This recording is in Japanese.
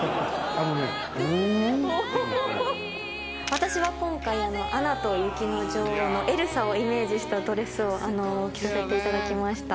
私は今回『アナと雪の女王』のエルサをイメージしたドレスを着させていただきました。